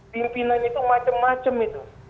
pimpinan itu macam macam itu